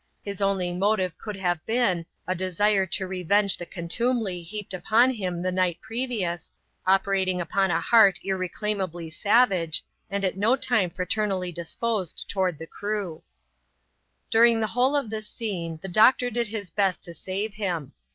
His only motive could have been, a desire to revenge the contumely heaped vpon Mm the night previous, opexalVii^ \x^tv ^ V^as^ 94 ADVENTURES IN THE SOUTH SEAS, [chap.xxit. irreclaimably savage, and at no time fratemallj disposed toward the crew. During the whole of this Iscene the doctor did his best to save him.